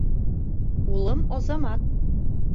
Улым Азамат